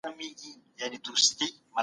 د هر ډول ظلم پر وړاندي کلکه مبارزه وکړئ.